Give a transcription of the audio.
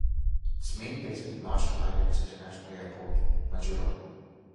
Its main base is Marshall Islands International Airport, Majuro.